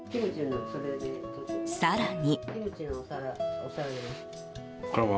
更に。